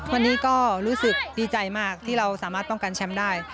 วันนี้ก็รู้สึกดีใจมากที่เราสามารถป้องกันแชมป์ได้